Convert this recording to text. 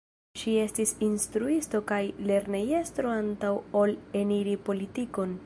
Ŝi estis instruisto kaj lernejestro antaŭ ol eniri politikon.